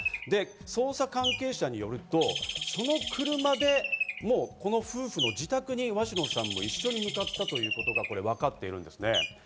捜査関係者によると、その車でこの夫婦の自宅に鷲野さんも一緒に向かったということがわかっています。